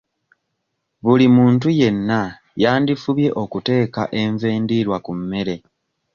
Buli muntu yenna yandifubye okuteeka enva endiirwa ku mmere.